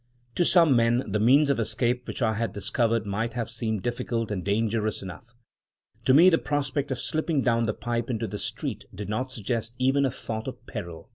To some men the means of escape which I had discovered might have seemed difficult and dangerous enough — to me the prospect of slipping down the pipe into the street did not suggest even a thought of peril.